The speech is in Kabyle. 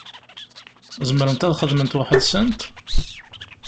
Zemrent ad xedment weḥd-nsent?